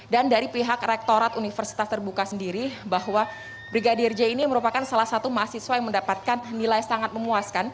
dan dari pihak rektorat universitas terbuka sendiri bahwa brigadir jaya ini merupakan salah satu mahasiswa yang mendapatkan nilai sangat memuas